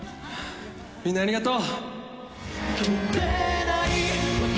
みんな、ありがとう。